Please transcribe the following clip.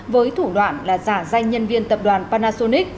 với thủ đoạn là giả danh nhân viên tập đoàn panasonic